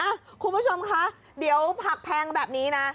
คุณผู้ชมคะเดี๋ยวผักแพงแบบนี้นะ